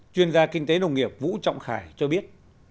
chuyên gia kinh tế nông nghiệp vũ trọng khải cho biết